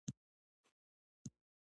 انسان له طبیعت څخه تقلید کوي.